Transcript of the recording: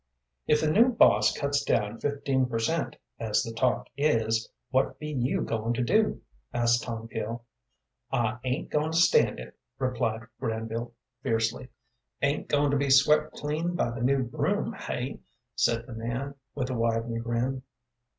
"If the new boss cuts down fifteen per cent., as the talk is, what be you goin' to do?" asked Tom Peel. "I ain't goin' to stand it," replied Granville, fiercely. "Ain't goin' to be swept clean by the new broom, hey?" said the man, with a widened grin.